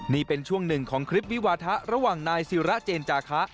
นี่เป็นช่วงหนึ่งของคลิปวิวาทะระหว่างนายศิระเจนจาคะ